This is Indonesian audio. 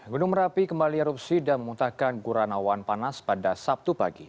gunung merapi kembali erupsi dan memuntahkan guran awan panas pada sabtu pagi